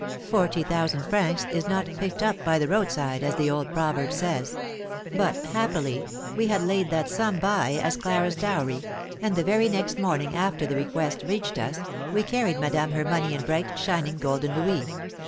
Forty thousand francs is not 'picked up by the roadside,' as the old proverb says; but happily we had laid that sum by as Clara's dowry, and the very next morning after the request reached us we carried madame her money in bright, shining, golden louis.